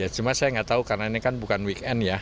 cuma saya tidak tahu karena ini bukan weekend ya